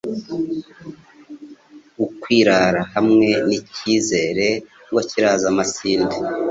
Ukwirara hamwe n'icyizere ngo kiraza amasinde